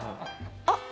あっ！